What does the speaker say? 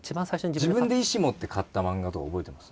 自分で意志持って買った漫画とか覚えてます？